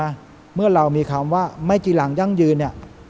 เพราะเมื่อเรามีคำว่าไม่จีหลังยั่งยืน